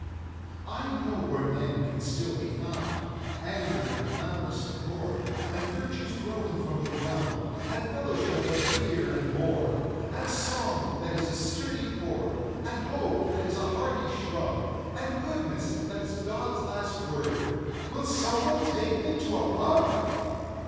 I know where Men can still be found, Anger and clamorous accord, And virtues growing from the ground, And fellowship of beer and board, And song, that is a sturdy cord, And hope, that is a hardy shrub, And goodness, that is God's last word Will someone take me to a pub?